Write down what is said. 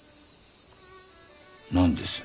何です？